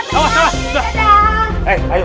dadah nanti mati ya